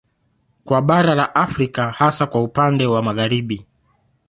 Kwa bara la Afrika hasa kwa upande wa Magharibi